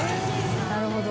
なるほど。